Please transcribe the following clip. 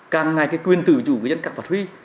càng ngày cái quyên tử chủ của dân càng phạt huy